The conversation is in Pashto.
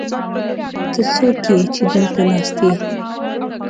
ته څوک يې، چې دلته ناست يې؟